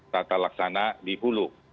tata laksana di hulu